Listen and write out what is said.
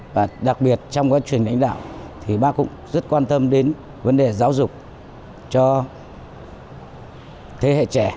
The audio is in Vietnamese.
và đặc biệt trong quá trình đánh đạo thì bác cũng rất quan tâm đến vấn đề giáo dục cho thế hệ trẻ